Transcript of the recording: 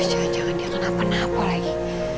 jangan jangan dia kenapa napa lagi